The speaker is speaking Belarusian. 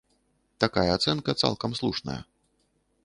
Такая ацэнка цалкам слушная.